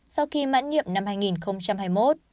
sau khi mãn nhiệm năm hai nghìn hai mươi một